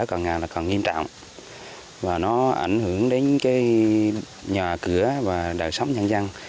sọt lở là còn nghiêm trọng và nó ảnh hưởng đến cái nhà cửa và đời sống nhân dân